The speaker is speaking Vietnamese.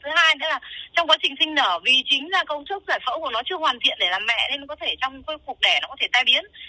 thứ hai nữa là trong quá trình sinh nở vì chính là công chức giải phẫu của nó chưa hoàn thiện để làm mẹ nên nó có thể trong cuộc đẻ nó có thể tai biến